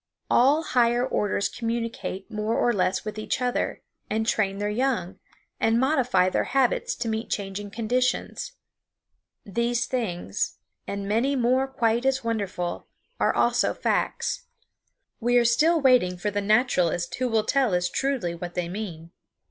All higher orders communicate more or less with each other, and train their young, and modify their habits to meet changing conditions. These things, and many more quite as wonderful, are also facts. We are still waiting for the naturalist who will tell us truly what they mean.